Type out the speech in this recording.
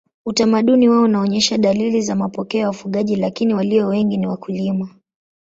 Utamaduni wao unaonyesha dalili za mapokeo ya wafugaji lakini walio wengi ni wakulima.